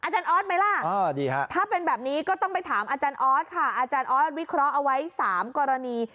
ออ๊อตไหมล่ะถ้าเป็นแบบนี้ก็ต้องไปถามออ๊อตค่ะออ๊อตวิเคราะห์เอาไว้๓กรณี